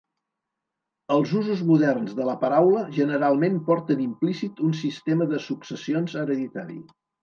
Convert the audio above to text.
Els usos moderns de la paraula generalment porten implícit un sistema de successions hereditari.